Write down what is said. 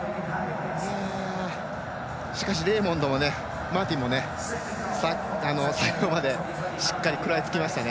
しかしレイモンド・マーティンも最後まで、しっかり食らいつきましたね。